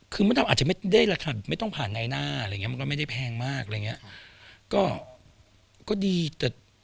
คือมะดำอาจจะไม่ได้ราคาไม่ต้องผ่านในหน้าอะไรงี้มันก็ไม่ได้แพงมากอะไรอย่างเงี้ย